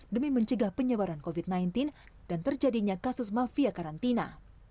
demi mencegah penyebaran covid sembilan belas dan terjadinya kasus mafia karantina